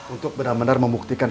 untuk benar benar membuktikan